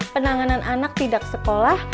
penanganan anak tidak sekolah